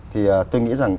thì tôi nghĩ rằng